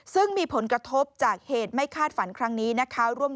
ซึ่งมีผลกระทบจากเหตุไม่คาดฝันครั้งนี้นะคะ